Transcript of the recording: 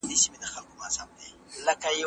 آیا د نوموړي د څېړنو ټینګار د علمي اصولو پر بنسټ دی؟